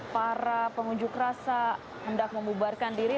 para pengunjuk rasa hendak membubarkan diri